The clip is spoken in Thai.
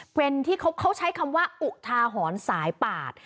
เป็นที่เขาใช้คำว่าอุทาหรณ์สายปาด